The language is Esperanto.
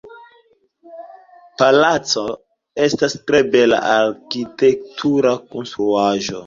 Palaco estas tre bela arkitektura konstruaĵo.